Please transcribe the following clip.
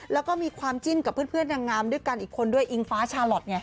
แล้วก็มีความจิ้นกับเพื่อนนางงามด้วยกันอีกคนด้วยอิงฟ้าชาลอทไง